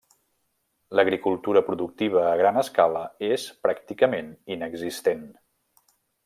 L'agricultura productiva a gran escala és pràcticament inexistent.